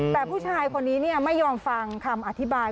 แต่ผู้ชายคนนี้ไม่ยอมฟังคำอธิบาย